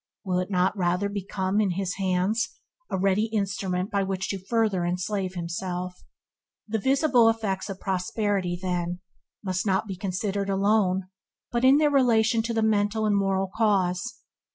Will it not rather become, in his hands, a ready instrument by which to further enslave himself? The visible effects of prosperity, then, must not be considered alone, but in their relation to the mental and moral cause.